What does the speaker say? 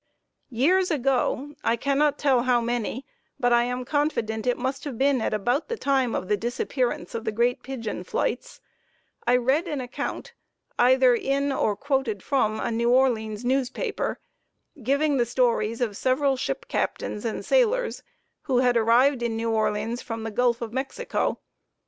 Years ago I cannot tell how many, but I am confident it must have been at about the time of the disappearance of the great pigeon flights I read an account, either in or quoted from a New Orleans newspaper, giving the stories of several ship captains and sailors who had arrived in New Orleans from the Gulf of Mexico.